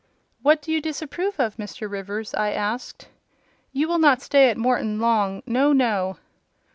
"What do you disapprove of, Mr. Rivers?" I asked. "You will not stay at Morton long: no, no!"